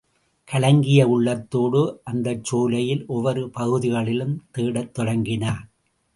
கலங்கிய உள்ளத்தோடு அந்தச் சோலையில் ஒவ்வொரு பகுதிகளிலும் தேடத் தொடங்கினான்.